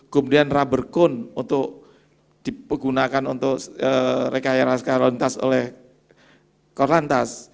kemudian rubber cone untuk digunakan untuk rekayeran skarolantas oleh korlantas